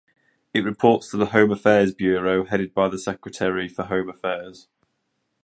It reports to the Home Affairs Bureau, headed by the Secretary for Home Affairs.